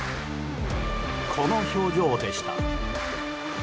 この表情でした。